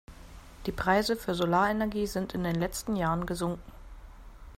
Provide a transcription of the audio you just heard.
Die Preise für Solarenergie sind in den letzten Jahren gesunken.